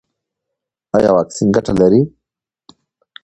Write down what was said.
ایا واکسین ګټه لري؟